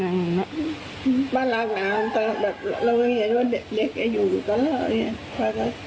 ป้ารักน้ำแต่แบบเราก็เห็นว่าเด็กอยู่กันแล้วเนี่ย